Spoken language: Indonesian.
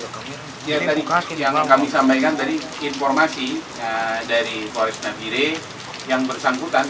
yang kami sampaikan tadi informasi dari kores navire yang bersangkutan